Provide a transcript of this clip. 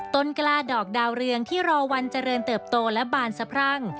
กล้าดอกดาวเรืองที่รอวันเจริญเติบโตและบานสะพรั่ง